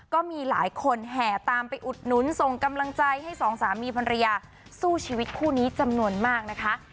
ก็มีหลายคนแห่ตามไปอุดหนุนส่งกำลังใจให้สองสามีภรรยาสู้ชีวิตคู่นี้จำนวนมากนะคะ